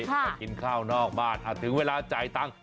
ไปกินข้าวนอกบ้านถึงเวลาจ่ายตังค์